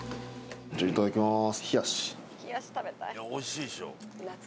じゃいただきまーす